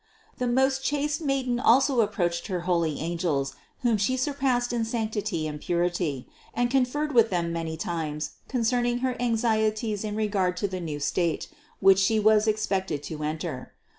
THE CONCEPTION 573 751. The most chaste Maiden also approached her holy angels, whom She surpassed in sanctity and purity, and conferred with them many times concerning her anxieties in regard to the new state, which She was ex pected to enter.